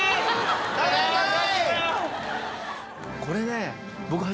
これね。